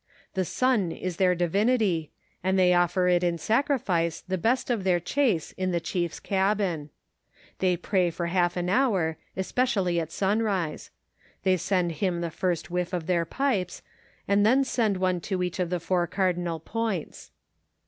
The son is their divinity, and they offer it in sacrifice the best of their chase in the chief's cabin. They pray for half an hour, especially at sunrise ; they send him the first whiff of their pipes, and then send one to each of the four cardinal points.